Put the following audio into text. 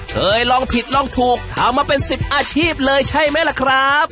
เคยลองผิดลองถูกทำมาเป็น๑๐อาชีพเลยใช่ไหมล่ะครับ